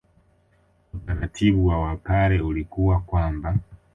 Utaratibu wa Wapare ulikuwa kwamba